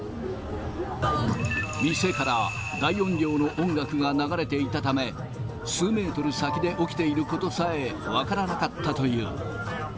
店から大音量の音楽が流れていたため、数メートル先で起きていることさえ分からなかったという。